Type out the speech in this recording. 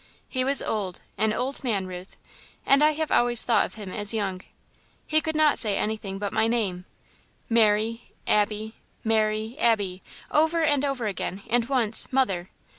He was old an old man, Ruth, and I have always thought of him as young. He could not say anything but my name 'Mary Abby Mary Abby ' over and over again; and, once, 'mother.'